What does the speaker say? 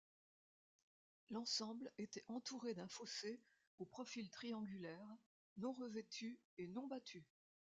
L'ensemble était entouré d'un fossé au profil triangulaire, non revêtu et non battu.